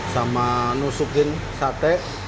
sama nusukin sate